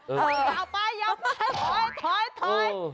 เอาไปยังถอย